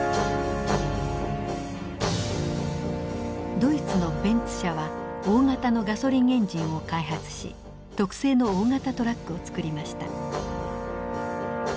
ドイツのベンツ社は大型のガソリンエンジンを開発し特製の大型トラックを作りました。